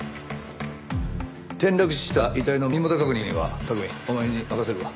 転落死した遺体の身元確認は拓海お前に任せるわ。